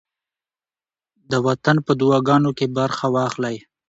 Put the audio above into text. د وطن په دعاګانو کې برخه واخلئ.